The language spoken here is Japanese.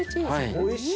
おいしい。